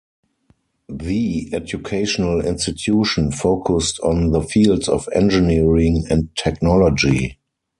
The educational institution focused on the fields of engineering and technology.